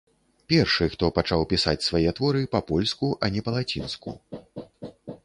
Першы, хто пачаў пісаць свае творы па-польску, а не па-лацінску.